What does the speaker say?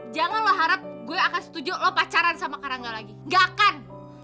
jangan lo harap gue akan setuju lo pacaran sama karangga lagi gak akan